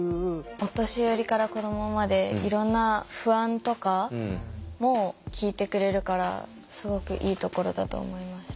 お年寄りから子どもまでいろんな不安とかも聞いてくれるからすごくいいところだと思いました。